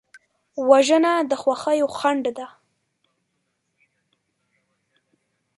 وژنه د خوښیو خنډ ده